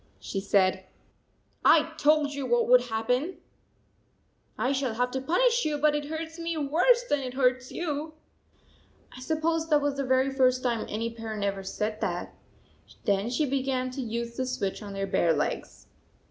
She said: " I told you what would happen ! I shall have to punish you, but it hurts me worse than it hurts you." I sup 132 pose that was the first time any parent ever said that. Then she began to use the switch on their bare legs.